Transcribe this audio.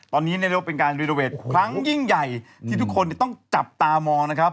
ตอนนี้เรียกได้ว่าเป็นการรีโนเวทครั้งยิ่งใหญ่ที่ทุกคนต้องจับตามองนะครับ